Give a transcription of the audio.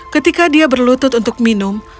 ketika dia berlutut untuk minum